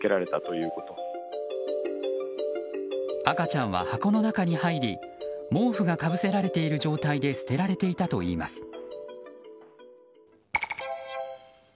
赤ちゃんは箱の中に入り毛布がかぶせられている状態で捨てられていたといいます。